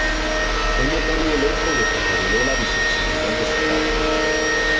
Fue notorio el hecho de que reveló la bisexualidad de su padre.